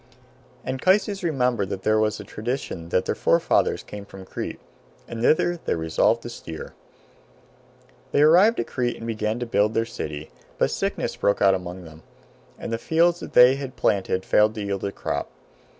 Anchises remembered that there was a tradition that their forefathers came from Crete and thither they resolved to steer. They arrived at Crete and began to build their city, but sickness broke out among them, and the fields that they had planted failed to yield a crop.